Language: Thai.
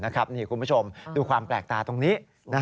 คุณผู้ชมดูความแปลกตาตรงนี้